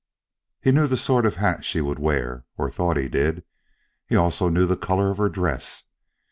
He knew the sort of hat she would wear (or thought he did). He also knew the color of her dress.